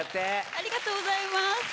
ありがとうございます。